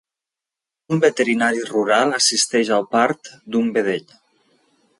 Un veterinari rural assisteix al part d'un vedell.